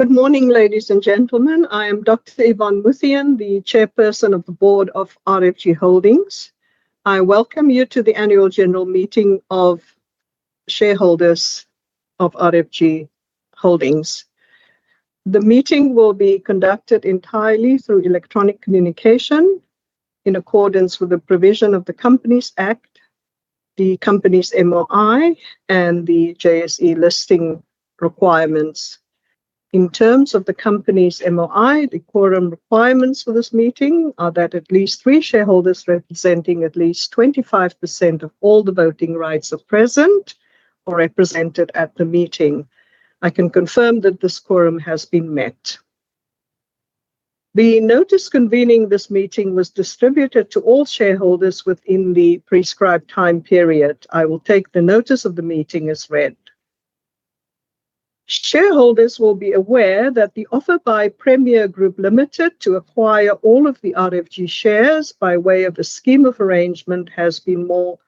Good morning, ladies and gentlemen. I am Dr. Yvonne Muthien, the chairperson of the board of RFG Holdings. I welcome you to the annual general meeting of shareholders of RFG Holdings. The meeting will be conducted entirely through electronic communication in accordance with the provision of the Companies Act, the company's MOI, and the JSE listing requirements. In terms of the company's MOI, the quorum requirements for this meeting are that at least three shareholders representing at least 25% of all the voting rights are present or represented at the meeting. I can confirm that this quorum has been met. The notice convening this meeting was distributed to all shareholders within the prescribed time period. I will take the notice of the meeting as read. Shareholders will be aware that the offer by Premier Group Limited to acquire all of the RFG shares by way of the scheme of arrangement has been more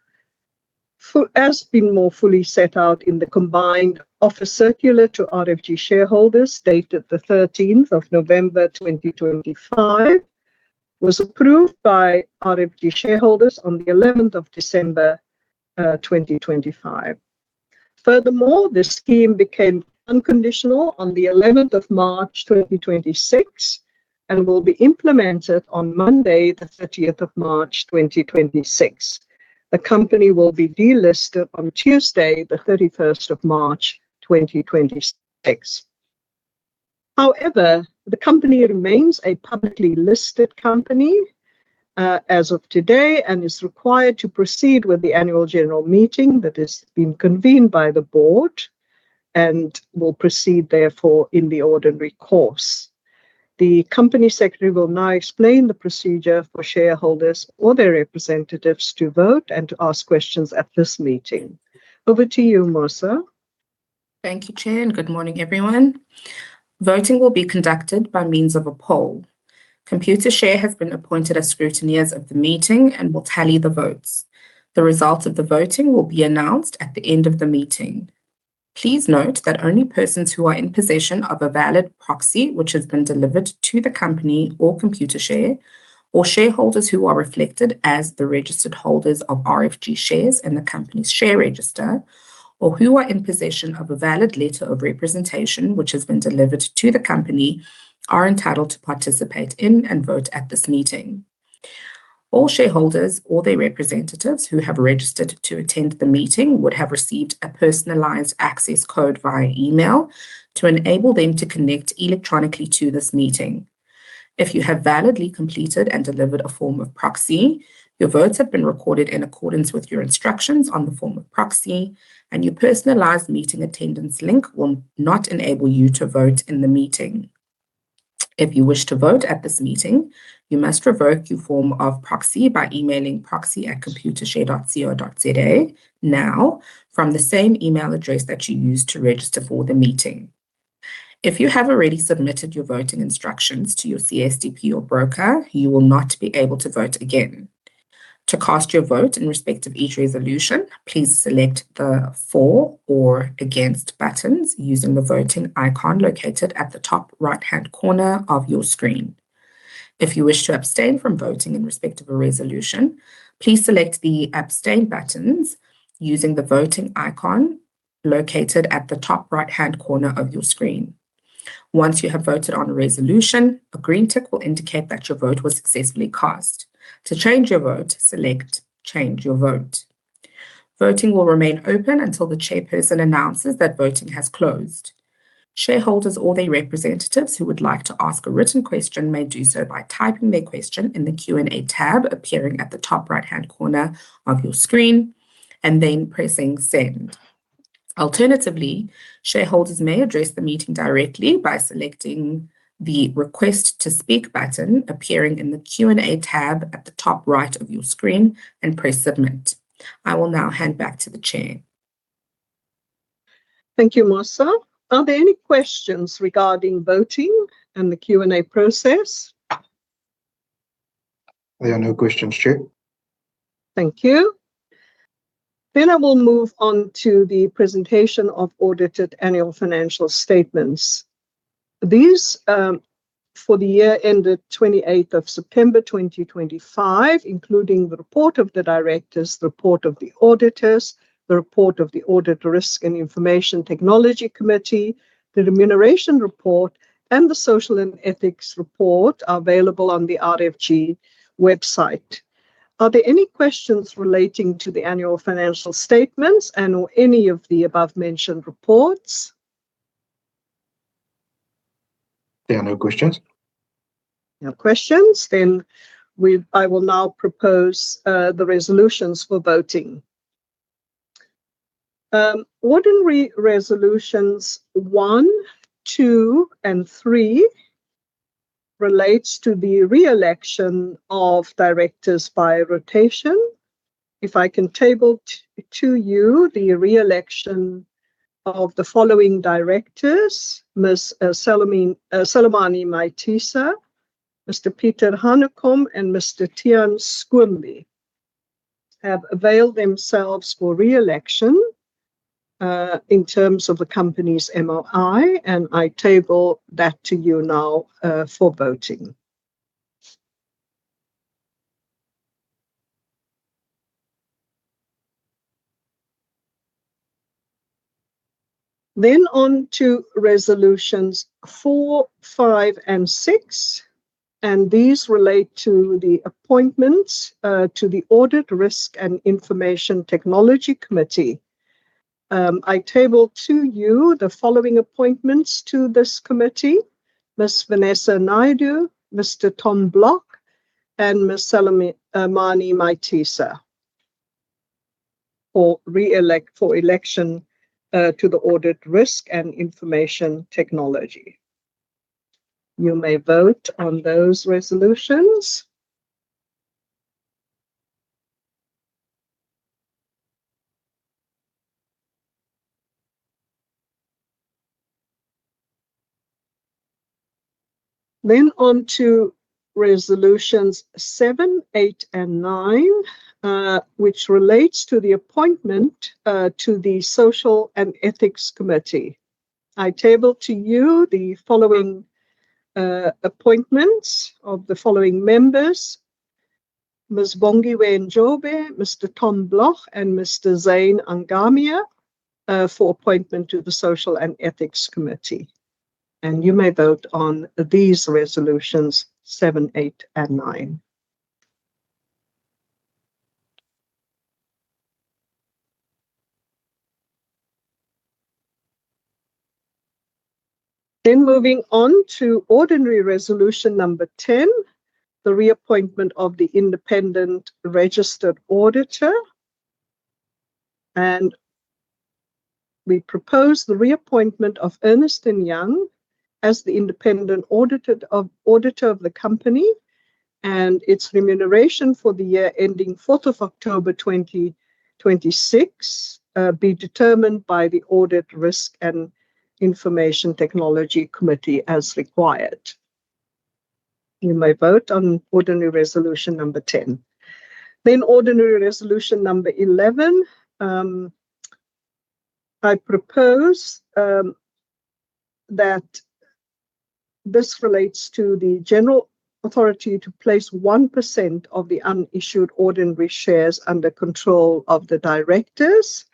fully set out in the combined offer circular to RFG shareholders dated the 13th of November, 2025, was approved by RFG shareholders on the 11th of December, 2025. Furthermore, the scheme became unconditional on the 11th of March, 2026, and will be implemented on Monday the 30th of March 2026. The company will be delisted on Tuesday the 31st of March, 2026. However, the company remains a publicly listed company, as of today and is required to proceed with the annual general meeting that has been convened by the board and will proceed therefore in the ordinary course. The company secretary will now explain the procedure for shareholders or their representatives to vote and to ask questions at this meeting. Over to you, Mosa. Thank you, Chair, and good morning everyone. Voting will be conducted by means of a poll. Computershare has been appointed as scrutineers of the meeting and will tally the votes. The results of the voting will be announced at the end of the meeting. Please note that only persons who are in possession of a valid proxy which has been delivered to the company or Computershare, or shareholders who are reflected as the registered holders of RFG shares in the company's share register, or who are in possession of a valid letter of representation which has been delivered to the company, are entitled to participate in and vote at this meeting. All shareholders or their representatives who have registered to attend the meeting would have received a personalized access code via email to enable them to connect electronically to this meeting. If you have validly completed and delivered a form of proxy, your votes have been recorded in accordance with your instructions on the form of proxy and your personalized meeting attendance link will not enable you to vote in the meeting. If you wish to vote at this meeting, you must revoke your form of proxy by emailing proxy@computershare.co.za now from the same email address that you used to register for the meeting. If you have already submitted your voting instructions to your CSDP or broker, you will not be able to vote again. To cast your vote in respect of each resolution, please select the For or Against buttons using the voting icon located at the top right-hand corner of your screen. If you wish to abstain from voting in respect of a resolution, please select the Abstain buttons using the voting icon located at the top right-hand corner of your screen. Once you have voted on a resolution, a green tick will indicate that your vote was successfully cast. To change your vote, select Change Your Vote. Voting will remain open until the chairperson announces that voting has closed. Shareholders or their representatives who would like to ask a written question may do so by typing their question in the Q&A tab appearing at the top right-hand corner of your screen and then pressing Send. Alternatively, shareholders may address the meeting directly by selecting the Request to Speak button appearing in the Q&A tab at the top right of your screen and press Submit. I will now hand back to the chair. Thank you, Mosa. Are there any questions regarding voting and the Q&A process? There are no questions, Chair. Thank you. I will move on to the presentation of audited annual financial statements. These for the year ended 28th of September 2025, including the report of the directors, the report of the auditors, the report of the Audit, Risk and Information Technology Committee, the remuneration report, and the Social and Ethics report are available on the RFG website. Are there any questions relating to the annual financial statements and/or any of the above-mentioned reports? There are no questions. No questions. I will now propose the resolutions for voting. Ordinary resolutions one, two, and three relates to the re-election of directors by rotation. If I can table to you the re-election of the following directors: Ms. Ms. Selomane Maitisa, Mr. Pieter Hanekom, and Mr. Tiaan Schoombie have availed themselves for reelection in terms of the company's MOI, and I table that to you now for voting. Resolutions four, five, and six relate to the appointments to the Audit, Risk and Information Technology Committee. I table to you the following appointments to this committee, Ms. Venessa Naidoo, Mr. Tom Blok, and Ms. Selomane Maitisa for election to the Audit, Risk and Information Technology Committee. You may vote on those resolutions. Resolutions seven, eight, and nine relate to the appointment to the Social and Ethics Committee. I table to you the following appointments of the following members, Ms. Bongiwe Njobe, Mr. Tom Blok, and Mr. Zeyn Angamia for appointment to the Social and Ethics Committee. You may vote on these resolutions seven, eight, and nine. Moving on to ordinary resolution number 10, the reappointment of the independent registered auditor. We propose the reappointment of Ernst & Young as the independent auditor of the company and its remuneration for the year ending 4th of October 2026, be determined by the Audit, Risk and Information Technology Committee as required. You may vote on ordinary resolution number 10. Ordinary resolution number 11. I propose that this relates to the general authority to place 1% of the unissued ordinary shares under control of the directors.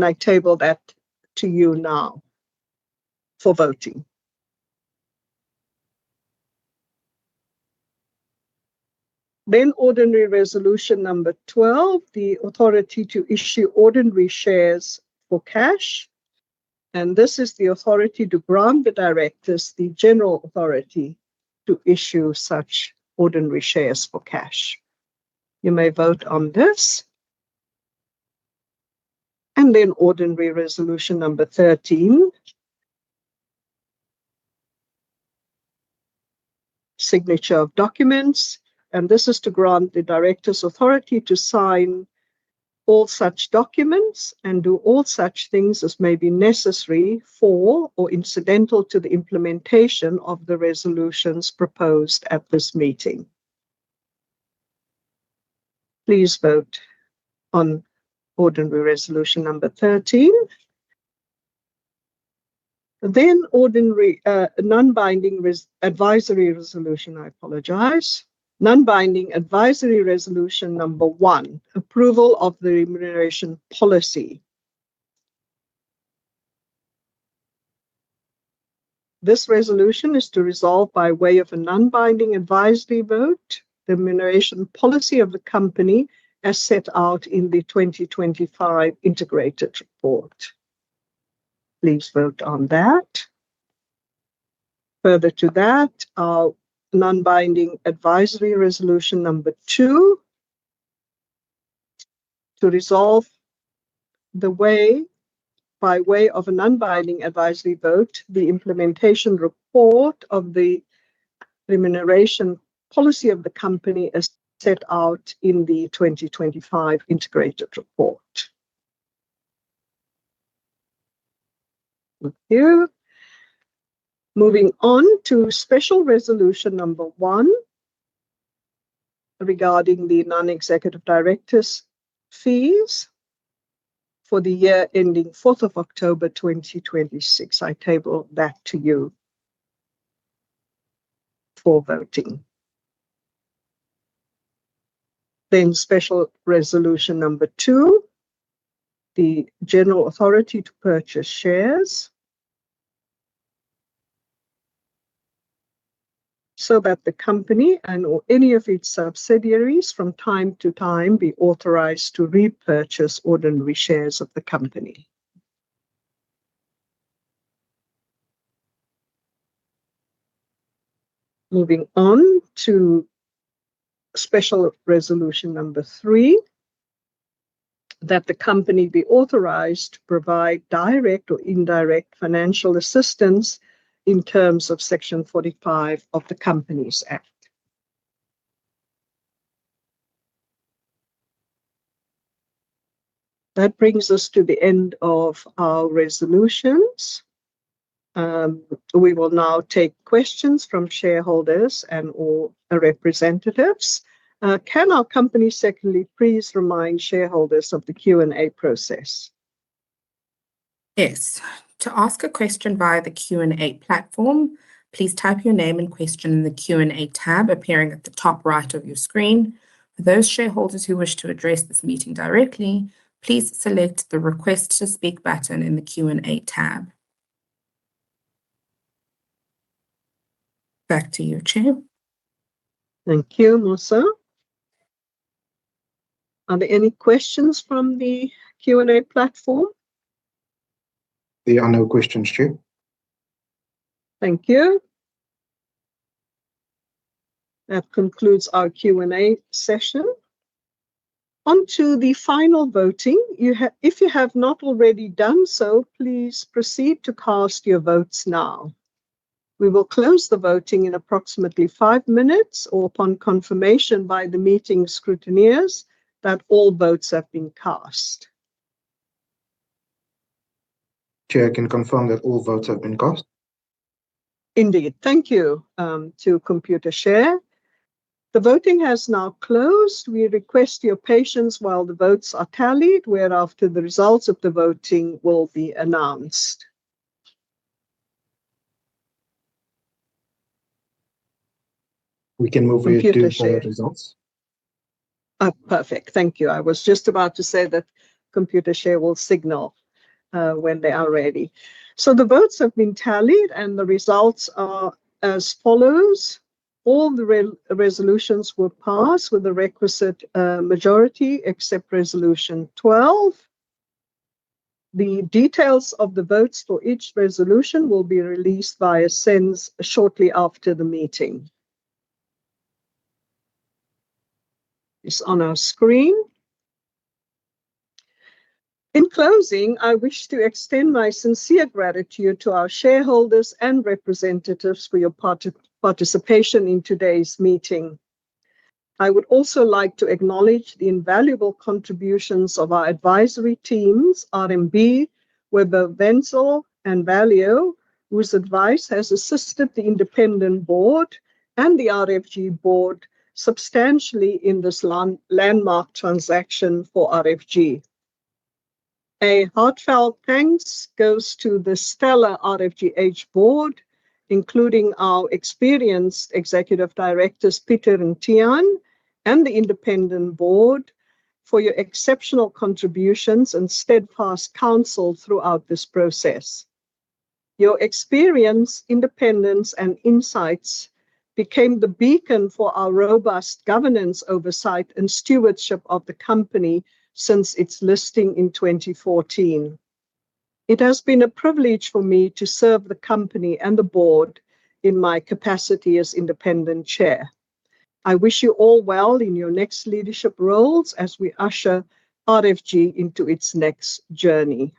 I table that to you now for voting. Ordinary resolution number 12, the authority to issue ordinary shares for cash, and this is the authority to grant the directors the general authority to issue such ordinary shares for cash. You may vote on this. Ordinary Resolution Number 13, signature of documents, and this is to grant the directors authority to sign all such documents and do all such things as may be necessary for or incidental to the implementation of the resolutions proposed at this meeting. Please vote on Ordinary Resolution Number 13. Non-Binding Advisory Resolution Number one, approval of the remuneration policy. This resolution is to resolve by way of a non-binding advisory vote the remuneration policy of the company as set out in the 2025 Integrated Report. Please vote on that. Non-Binding Advisory Resolution Number two, to resolve by way of a non-binding advisory vote the implementation report of the remuneration policy of the company as set out in the 2025 Integrated Report. Thank you. Moving on to special resolution number one regarding the non-executive directors' fees for the year ending 4th of October 2026. I table that to you for voting. Special resolution number two, the general authority to purchase shares so that the company and/or any of its subsidiaries from time to time be authorized to repurchase ordinary shares of the company. Moving on to special resolution number three, that the company be authorized to provide direct or indirect financial assistance in terms of Section 45 of the Companies Act. That brings us to the end of our resolutions. We will now take questions from shareholders and/or representatives. Can our company secretary please remind shareholders of the Q&A process? Yes. To ask a question via the Q&A platform, please type your name and question in the Q&A tab appearing at the top right of your screen. For those shareholders who wish to address this meeting directly, please select the Request to Speak button in the Q&A tab. Back to you, Chair. Thank you, Mosa. Are there any questions from the Q&A platform? There are no questions, Chair. Thank you. That concludes our Q&A session. On to the final voting. If you have not already done so, please proceed to cast your votes now. We will close the voting in approximately five minutes, or upon confirmation by the meeting scrutineers that all votes have been cast. Chair, I can confirm that all votes have been cast. Indeed. Thank you to Computershare. The voting has now closed. We request your patience while the votes are tallied, whereafter the results of the voting will be announced. We can move here to show results. Computershare. Perfect, thank you. I was just about to say that Computershare will signal when they are ready. The votes have been tallied, and the results are as follows: all the resolutions were passed with the requisite majority, except resolution 12. The details of the votes for each resolution will be released via SENS shortly after the meeting. It's on our screen. In closing, I wish to extend my sincere gratitude to our shareholders and representatives for your participation in today's meeting. I would also like to acknowledge the invaluable contributions of our advisory teams, RMB, Webber Wentzel, and Value, whose advice has assisted the independent board and the RFG board substantially in this landmark transaction for RFG. A heartfelt thanks goes to the stellar RFGH board, including our experienced executive directors, Pieter and Tiaan, and the independent board for your exceptional contributions and steadfast counsel throughout this process. Your experience, independence, and insights became the beacon for our robust governance oversight and stewardship of the company since its listing in 2014. It has been a privilege for me to serve the company and the board in my capacity as independent chair. I wish you all well in your next leadership roles as we usher RFG into its next journey.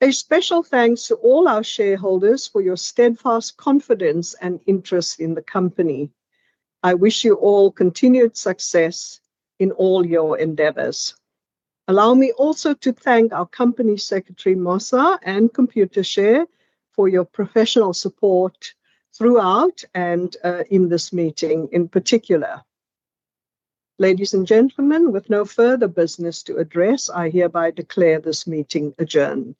A special thanks to all our shareholders for your steadfast confidence and interest in the company. I wish you all continued success in all your endeavors. Allow me also to thank our company secretary, Mosa, and Computershare for your professional support throughout and in this meeting in particular. Ladies and gentlemen, with no further business to address, I hereby declare this meeting adjourned.